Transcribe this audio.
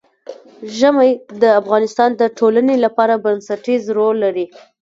ژمی د افغانستان د ټولنې لپاره بنسټيز رول لري.